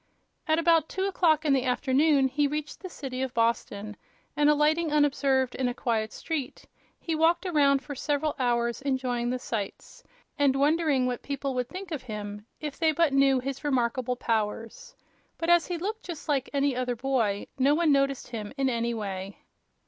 At about two o'clock in the afternoon he reached the city of Boston, and alighting unobserved in a quiet street he walked around for several hours enjoying the sights and wondering what people would think of him if they but knew his remarkable powers. But as he looked just like any other boy no one noticed him in any way.